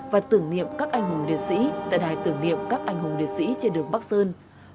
và tưởng niệm các anh hùng liệt sĩ tại đài tưởng niệm các anh hùng liệt sĩ trên đường bắc sơn